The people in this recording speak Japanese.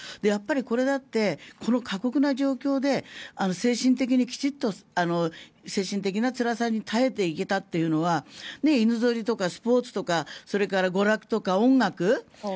やっぱりこれだってこの過酷な状況で精神的にきちんと精神的なつらさに耐えていけたのは犬ぞりとかスポーツとかそれから娯楽とか音楽